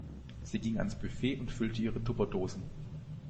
Sie ging ans Buffet und füllte ihre Tupperdosen.